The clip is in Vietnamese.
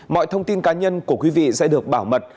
mọi thông tin cá nhân của quý vị sẽ được bảo mật